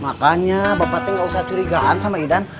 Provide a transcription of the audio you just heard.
makanya bapaknya gak usah curigaan sama idan